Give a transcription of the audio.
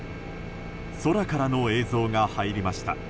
空からの映像が入りました。